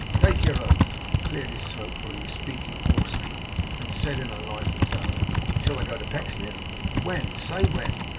Take your oath!' He cleared his throat, for he was speaking hoarsely and said in a lighter tone: 'Shall I go to Pecksniff? When? Say when!